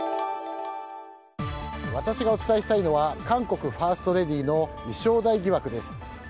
私がお伝えしたいのは韓国ファーストレディーの衣装代疑惑です。